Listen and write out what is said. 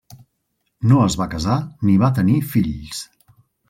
No es va casar ni va tenir fills.